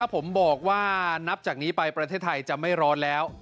ผมบอกว่านับจากนี้ไปประเทศไทยจะไม่ร้อนแล้ว